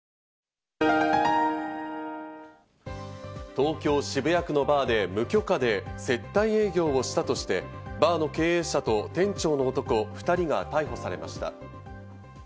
東京・渋谷区のバーで無許可で接待営業をしたとして、バーの経営者と店長の男２人が逮捕されました。